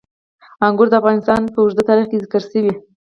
انګور د افغانستان په اوږده تاریخ کې ذکر شوي.